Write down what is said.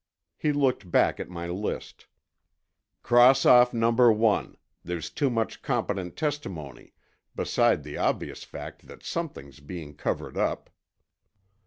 He looked back at my list. "Cross off Number One, There's too much competent testimony, beside the obvious fact that something's being covered up."